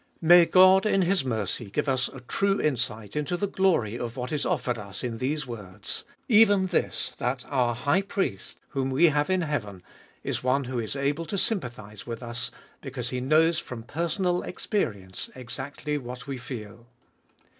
MAY God in His mercy give us a true insight into the glory of what is offered us in these words — even this, that our High Priest, whom we have in heaven, is one who is able to sympathise with us, because He knows, from personal experi ence, exactly what we feel.